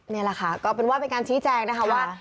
นี่แหละค่ะก็เป็นว่าเป็นการชี้แจงนะคะว่า